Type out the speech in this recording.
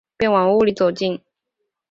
便往屋里走进